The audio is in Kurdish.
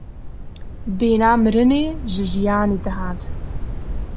Bêhna mirinê ji jiyanê dihat.